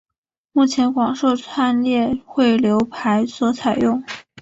目前广受串列汇流排所采用。